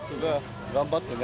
頑張ってね。